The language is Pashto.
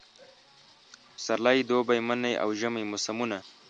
پسرلی، دوبی، منی اوژمی موسمونه